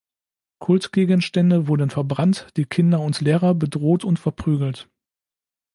Kultgegenstände wurden verbrannt, die Kinder und Lehrer bedroht und verprügelt.